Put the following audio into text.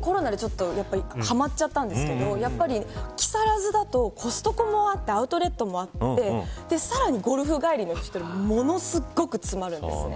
コロナではまちゃったんですけど木更津だとコストコもあってアウトレットもあってさらに、ゴルフ帰りの人もいてものすごく詰まるんですね。